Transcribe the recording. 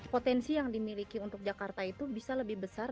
potensi yang dimiliki untuk jakarta itu bisa lebih besar